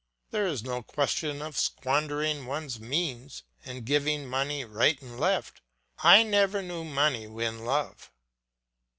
There is no question of squandering one's means and giving money right and left; I never knew money win love.